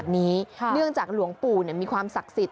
เนื่องจากหลวงปู่มีความศักดิ์สิทธิ